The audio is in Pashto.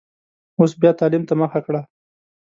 اوس بیا تعلیم ته مخه کړه.